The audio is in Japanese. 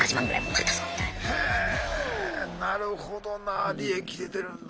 へえなるほどな利益出てるんだ。